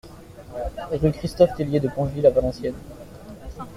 Rue Ch Theillier de Ponchevill à Valenciennes